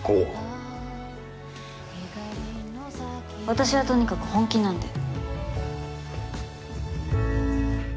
私はとにかく本気なんで。